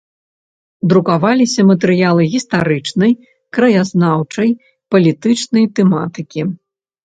Друкаваліся матэрыялы гістарычнай, краязнаўчай, палітычнай тэматыкі.